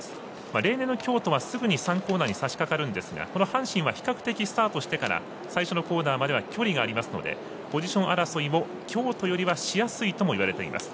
例年の京都はすぐに３コーナーにさしかかるんですが阪神は比較的スタートしてから最初のコーナーまでは距離がありますのでポジション争いは京都よりはしやすいとされています。